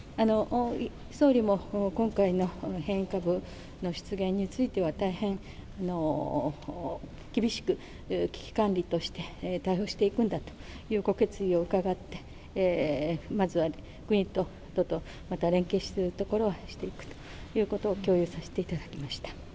総理も今回の変異株の出現については、大変、厳しく、危機管理として対応していくんだというご決意を伺って、まずは国と都と、また連携するところはしていくということを共有させていただきました。